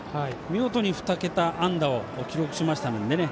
見事に２桁安打を記録しましたのでね。